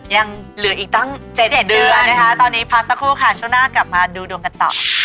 ยังเหลืออีกตั้ง๗เดือนนะคะตอนนี้พักสักครู่ค่ะช่วงหน้ากลับมาดูดวงกันต่อ